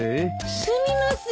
すみません！